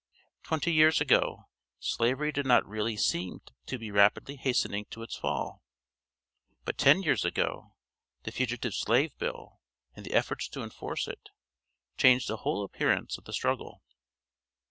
Twenty years ago, Slavery did really seem to be rapidly hastening to its fall, but ten years ago, the Fugitive Slave Bill, and the efforts to enforce it, changed the whole appearance of the struggle.